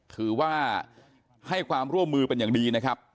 ถือว่าให้ความร่วมมือเป็นอย่างดีนะครับ